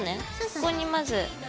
ここにまず。